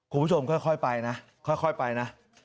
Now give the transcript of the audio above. คุณผู้ชมค่อยไปนะค่อยไปนะ